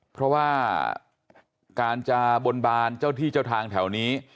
เพราะว่าการจะบนบานเจ้าที่เจ้าทางแถวนี้